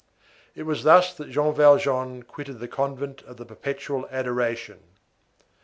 It was thus that Jean Valjean quitted the convent of the Perpetual Adoration.